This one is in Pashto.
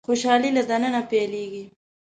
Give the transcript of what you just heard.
خوشالي له د ننه پيلېږي.